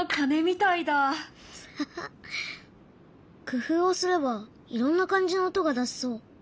工夫をすればいろんな感じの音が出せそう。